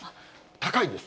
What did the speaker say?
高いです。